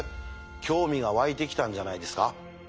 興味が湧いてきたんじゃないですか？